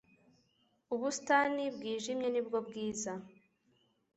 Ubusitani bwijimye nibwo bwiza.